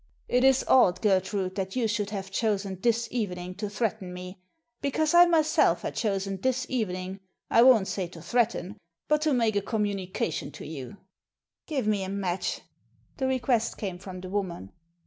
" It is odd, Gertrude, that you should have chosen this evening to threaten me, because I myself had chosen this evening, I won't say to threaten, but to make a communication to you." " Give me a match." The request came from the woman.